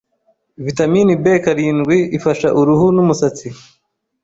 Vitamin B karindwi ifasha uruhu n’umusatsi